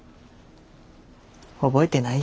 覚えてないや。